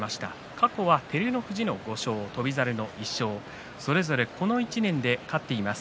過去は、照ノ富士の５勝翔猿の１勝それぞれこの１年で勝っています。